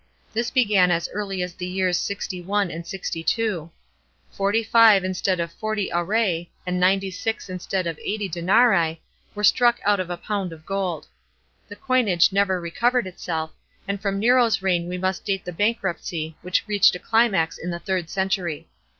This began as early as the years 61 and 62. Forty five instead of forty aurei, and ninety six instead of eighty denarii, were struck out of a pound of gold. The coinage never recovered itself, and from Nero's reign we must date the bankruptcy which reached a climax in the third century.